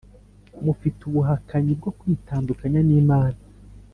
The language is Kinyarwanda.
Mufite ubuhakanyi bwo kwitandukanya n’Imana